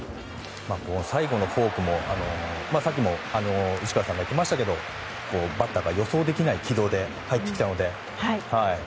最後のフォークも、さっきも内川さんが言っていましたけどバッターが予想できない軌道で入ってきたので。